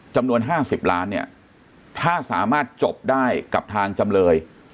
จำนวน๕๐ล้านเนี่ยถ้าสามารถจบได้กับทางจำเลย